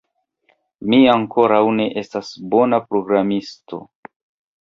Mi ankoraŭ ne estas bona programisto